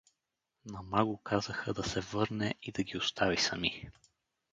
На Магу казаха да се върне и да ги остави сами.